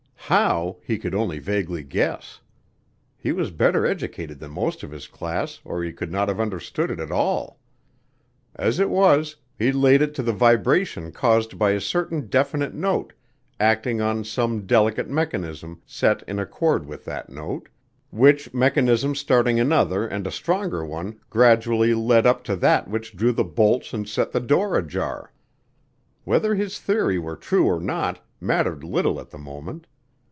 How, he could only vaguely guess. He was better educated than most of his class, or he could not have understood it at all. As it was, he laid it to the vibration caused by a certain definite note acting on some delicate mechanism set in accord with that note, which mechanism starting another and a stronger one gradually led up to that which drew the bolts and set the door ajar. Whether his theory were true or not mattered little at the moment.